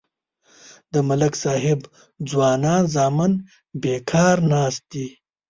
د ملک صاحب ځوانان زامن بیکار ناست دي.